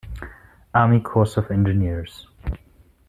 Army Corps of Engineers.